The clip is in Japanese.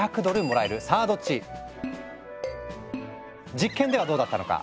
実験ではどうだったのか。